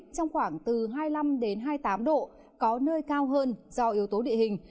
trong khoảng từ hai mươi năm hai mươi tám độ có nơi cao hơn do yếu tố địa hình